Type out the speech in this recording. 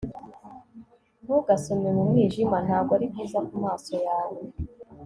ntugasome mu mwijima. ntabwo ari byiza kumaso yawe